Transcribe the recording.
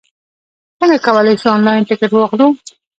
څنګه کولای شو، انلاین ټکټ واخلو؟